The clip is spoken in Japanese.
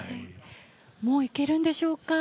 もういけるんでしょうか。